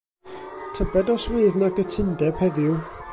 Tybed os fydd 'na gytundeb heddiw?